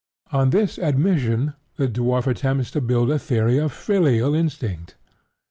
On this admission the dwarf attempts to build a theory of filial instinct.